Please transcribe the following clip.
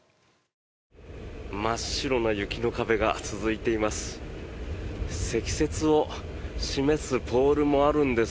真っ白な雪の壁が続いています。